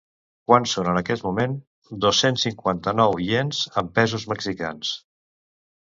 Quant són en aquest moment dos-cents cinquanta-nou iens en pesos mexicans?